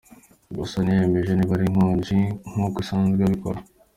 Gusa ntiyemeje niba ari konji nkuko isanzwe ibikora.